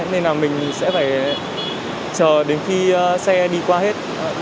nên là mình sẽ phải chờ đến khi xe đi qua hết